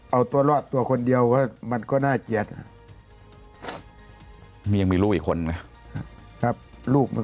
เอาตัวรอดตัวคนเดียวมันก็น่าเกียรติมีรู้อีกคนครับลูกมัน